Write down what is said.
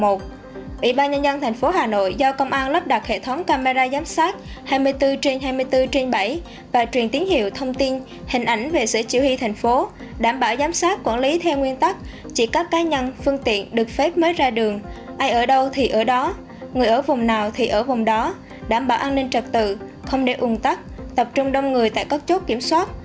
ủy ban nhân dân thành phố hà nội do công an lắp đặt hệ thống camera giám sát hai mươi bốn trên hai mươi bốn trên bảy và truyền tiếng hiệu thông tin hình ảnh về sở chỉ huy thành phố đảm bảo giám sát quản lý theo nguyên tắc chỉ các cá nhân phương tiện được phép mới ra đường ai ở đâu thì ở đó người ở vùng nào thì ở vùng đó đảm bảo an ninh trật tự không để ung tắc tập trung đông người tại các chốt kiểm soát